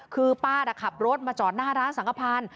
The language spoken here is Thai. คือป้าขับรถมาจอดหน้าร้านสังขพันธ์